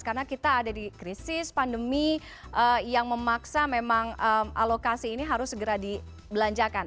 karena kita ada di krisis pandemi yang memaksa memang alokasi ini harus segera dibelanjakan